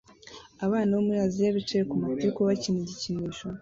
Abana bo muri Aziya bicaye ku matiku bakina igikinisho